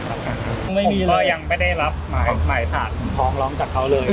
ก็ยังไม่ได้รับหมายสารฟ้องร้องจากเขาเลย